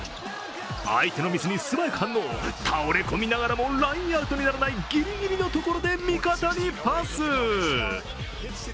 相手のミスに素早く反応、倒れ込みながらもラインアウトにならないぎりぎりのところで味方にパス。